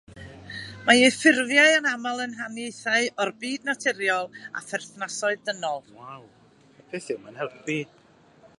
Mae ei ffurfiau yn aml yn haniaethau o'r byd naturiol a pherthnasoedd dynol.